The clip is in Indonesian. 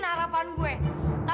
mamamalu muk special onannya